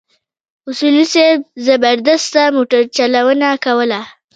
اصولي صیب زبردسته موټرچلونه کوله.